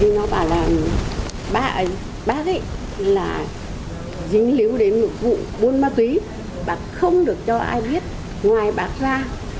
nó bảo là bác ấy là dính líu đến một vụ buôn ma túy bác không được cho ai biết ngoài bác ra